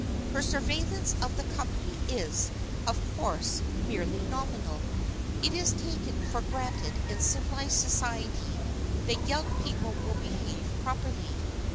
Her surveillance of the company is, of course, merely nominal. It is taken for granted in civilized society that young people will behave properly.